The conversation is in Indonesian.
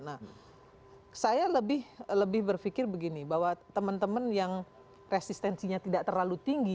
nah saya lebih berpikir begini bahwa teman teman yang resistensinya tidak terlalu tinggi